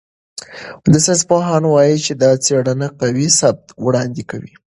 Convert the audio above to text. ساینسپوهان وايي چې دا څېړنه قوي ثبوت وړاندې کوي.